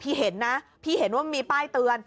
เห็นนะพี่เห็นว่ามีป้ายเตือน